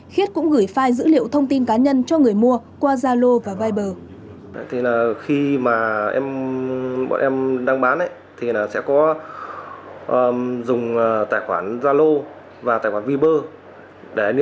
khiết cũng gửi file dữ liệu thông tin cá nhân cho người mua qua zalo và viber